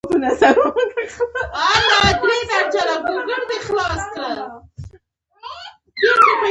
هغې د زړه له کومې د دریاب ستاینه هم وکړه.